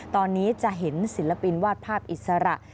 ตอนนี้จะเห็นศิลปินวาดภาพอิสระ